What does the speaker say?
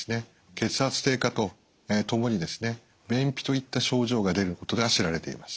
血圧低下とともに便秘といった症状が出ることが知られています。